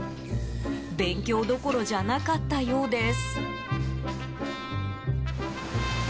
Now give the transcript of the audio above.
勉強どころじゃなかったようです。